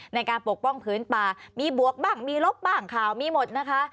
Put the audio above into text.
ในการปกป้องพื้นป่ามีบวกบ้างมีลบบ้างข่าวมีหมดนะคะ